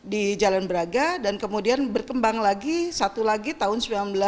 di jalan braga dan kemudian berkembang lagi satu lagi tahun seribu sembilan ratus sembilan puluh